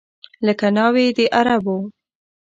لکه ناوې د عربو